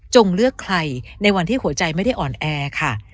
เลือกใครในวันที่หัวใจไม่ได้อ่อนแอค่ะ